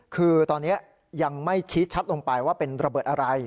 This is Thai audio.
คือตอนนี้ยังไม่ชี้ชัดลงไปว่าเป็นระเบิดอะไร